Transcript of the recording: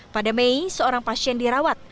pada mei seorang pasien dirawat